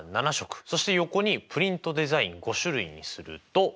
そして横にプリントデザイン５種類にするとこんな感じで。